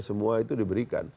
semua itu diberikan